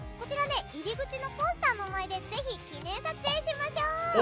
入り口のポスターの前でぜひ、記念撮影しましょう。